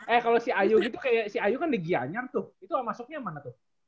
eh kalau si ayu gitu kayak si ayu kan di gianyar tuh itu masuknya mana tuh